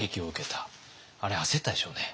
あれ焦ったでしょうね。